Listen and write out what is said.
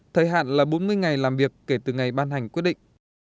thời hạn là bốn mươi ngày làm việc kể từ ngày ban hành quyết định